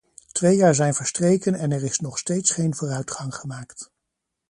Twee jaar zijn verstreken en er is nog steeds geen vooruitgang gemaakt.